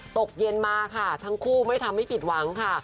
ตกเย็นมาค่ะทั้งคู่ไม่ทำให้ผิดหวังค่ะ